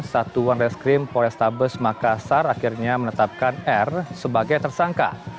satuan reskrim polrestabes makassar akhirnya menetapkan r sebagai tersangka